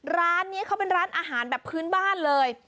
ร้านนี้เขาเป็นร้านอาหารแบบพื้นบ้านเลย